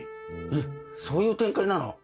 えっそういう展開なの？